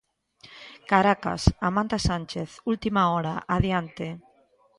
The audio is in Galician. Caracas, Amanda Sánchez, última hora, adiante.